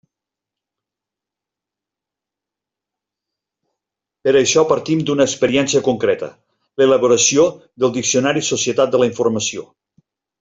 Per a això partim d'una experiència concreta: l'elaboració del diccionari Societat de la informació.